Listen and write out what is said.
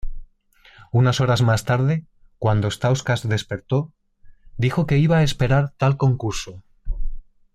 Unas horas más tarde, cuando Stauskas despertó, dijo que iba a esperar tal concurso.